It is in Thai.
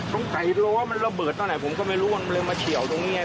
ไก่ล้อมันระเบิดเท่าไหร่ผมก็ไม่รู้มันเลยมาเฉียวตรงนี้